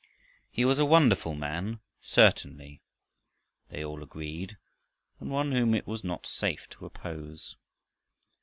He was a wonderful man certainly, they all agreed, and one whom it was not safe to oppose.